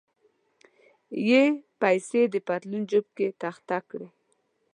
یې پیسې د پتلون جیب کې تخته کړې.